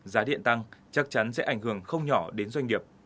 giá điện tăng chắc chắn sẽ ảnh hưởng không nhỏ đến doanh nghiệp